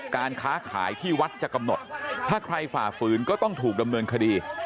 การค้าขายที่วัดจะกำหนดถ้าใครฝ่าฝืนก็ต้องถูกดำเนินคดี